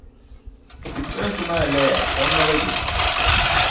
Bipuɣinsi maa laya ka ŋmaligi.